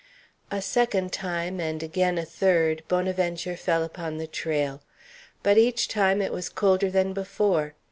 A second time, and again a third, Bonaventure fell upon the trail. But each time it was colder than before.